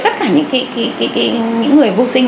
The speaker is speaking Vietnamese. tất cả những người vô sinh